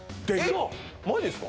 マジですか？